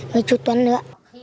mấy chú tuấn nữa